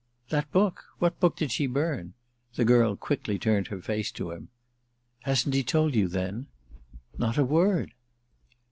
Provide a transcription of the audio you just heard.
"That book? what book did she burn?" The girl quickly turned her face to him. "Hasn't he told you then?" "Not a word."